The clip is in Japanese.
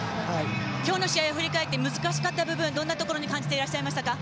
今日の試合を振り返って難しかった部分どんなところに感じていらっしゃいましたか？